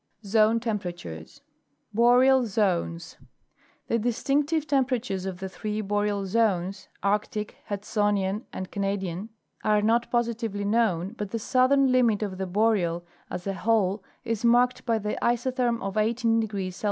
ZONE TEMPERATURES. Boreal Zones.—The distinctive temperatures of the three Boreal zones (Arctic, Hudsonianand Canadian) are not positively known, but the southern limit of the Boreal as a whole is marked by the isotherm of 18° C.